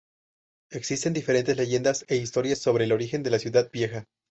Existen diferentes leyendas e historias sobre el origen de la Ciudad Vieja.